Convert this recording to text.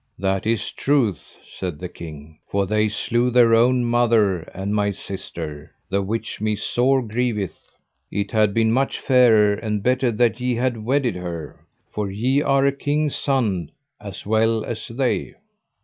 That is truth, said the king, for they slew their own mother and my sister, the which me sore grieveth: it had been much fairer and better that ye had wedded her, for ye are a king's son as well as they.